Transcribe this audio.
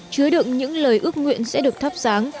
chứa đựng những lời ước nguyện sẽ được thắp sáng